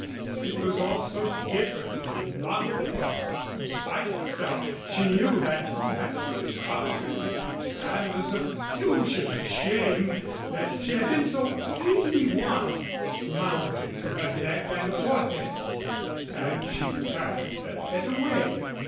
It was all so different to London. In spite of herself, she knew that he had conquered, and a suffusion of shame that she had been so easily won mounted to her neck and forehead, and she turned her head away.